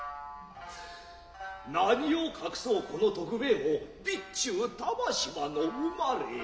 何を隠そう此徳兵衛も備中玉島の生れ。